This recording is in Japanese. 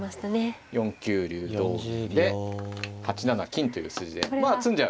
４九竜同銀で８七金という筋で詰んじゃう。